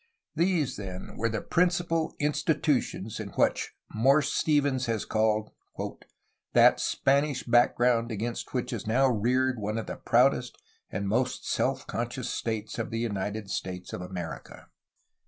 These were the principal institutions in what Morse Stephens has called "that Spanish background against which is now reared one of the proudest and most self conscious States of the United States of America."